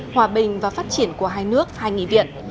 hòa bình và phát triển của hai nước hai nghị viện